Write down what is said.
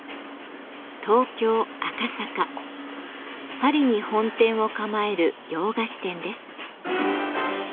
パリに本店を構える洋菓子店です。